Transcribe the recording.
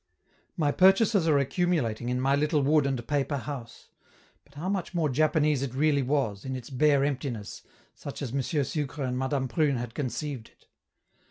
My purchases are accumulating in my little wood and paper house; but how much more Japanese it really was, in its bare emptiness, such as M. Sucre and Madame Prune had conceived it.